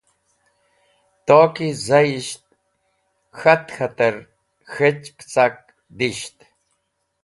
Toki zayisht k̃hat k̃hatẽr k̃hech pẽcak disht.